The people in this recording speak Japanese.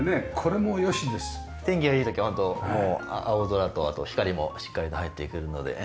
天気がいい時はホントもう青空とあと光もしっかりと入ってくるので。